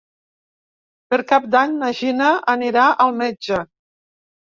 Per Cap d'Any na Gina anirà al metge.